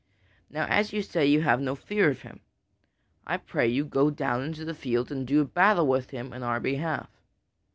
Now, as you say you have no fear of him, I pray you go down into the field and do battle with him in our behalf."